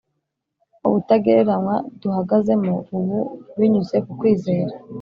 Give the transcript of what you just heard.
ubutagereranywa duhagazemo ubu binyuze ku kwizera